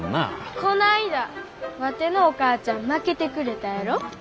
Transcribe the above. こないだワテのお母ちゃんまけてくれたやろ？